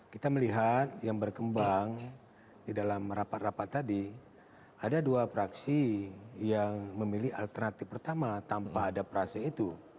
kita melihat yang berkembang di dalam rapat rapat tadi ada dua praksi yang memilih alternatif pertama tanpa ada prase itu